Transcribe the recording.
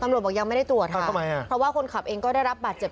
บอกยังไม่ได้ตรวจค่ะเพราะว่าคนขับเองก็ได้รับบาดเจ็บ